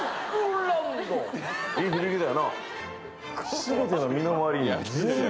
全ての身の回りに全部。